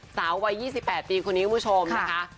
สาววัย๒๘ปีคนนี้คุณผู้ชมนะคะ